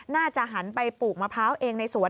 หันไปปลูกมะพร้าวเองในสวน